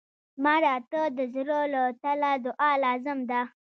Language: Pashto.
مړه ته د زړه له تله دعا لازم ده